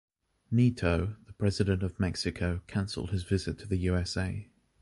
Nieto, the president of Mexico, cancelled his visit to the USA.